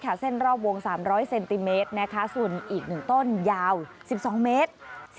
เส้นรอบวง๓๐๐เซนติเมตรส่วนอีก๑ต้นยาว๑๒เมตร